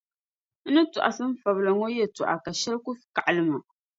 N ni tɔɣisi n fabila ŋɔ yɛtɔɣa ka shɛli ku kaɣili ma.